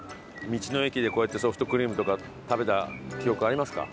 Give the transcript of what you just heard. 道の駅でこうやってソフトクリームとか食べた記憶ありますか？